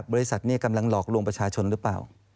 บริษัทนี้กำลังหลอกลวงประชาชนหรือเปล่า